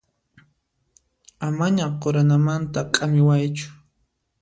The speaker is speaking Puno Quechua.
Amaña quranamanta k'amiwaychu.